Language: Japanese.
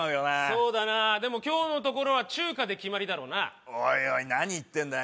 そうだなでも今日のところは中華で決まりだろうなおいおい何言ってんだ